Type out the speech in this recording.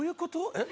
えっ？